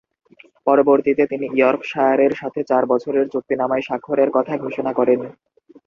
পরবর্তীতে তিনি ইয়র্কশায়ারের সাথে চার-বছরের চুক্তিনামায় স্বাক্ষরের কথা ঘোষণা করেন।